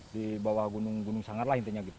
di bawah gunung gunung sanggar lah intinya gitu